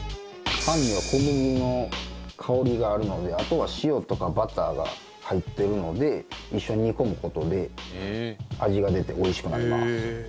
パンには小麦の香りがあるのであとは塩とかバターが入ってるので一緒に煮込む事で味が出ておいしくなります。